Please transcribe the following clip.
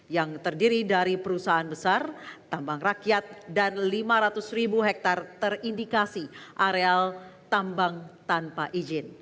yang terdiri dari perusahaan besar tambang rakyat dan lima ratus ribu hektare terindikasi areal tambang tanpa izin